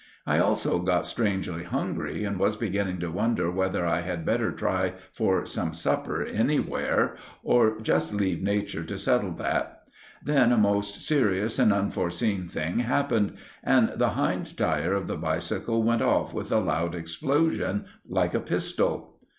I also got strangely hungry and was beginning to wonder whether I had better try for some supper anywhere, or just leave nature to settle that. Then a most serious and unforeseen thing happened and the hind tyre of the bicycle went off with a loud explosion, like a pistol.